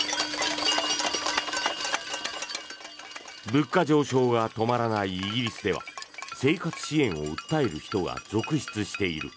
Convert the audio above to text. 物価上昇が止まらないイギリスでは生活支援を訴える人が続出している。